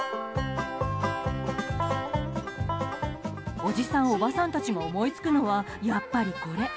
おじさん、おばさんたちが思いつくのはやはりこれ。